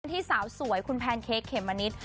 ที่สาวสวยคุณแพนเค้กเขมมะนิด